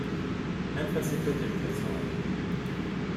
Anef-as i tadimt ad tɣumm.